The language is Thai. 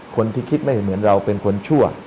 คนที่คิดไม่เหมือนเราเป็นคนชั่ว